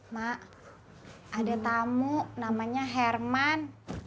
mak ada tamu namanya herman